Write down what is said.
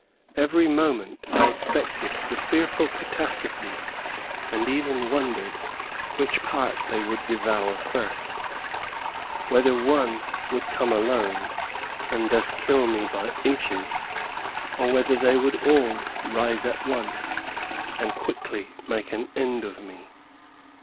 Every moment I expected the fearful catastrophe, and even wondered which part they would devour first whether one would come alone and thus kill me by inches, or whether they would all rise at once, and quickly make an end of me.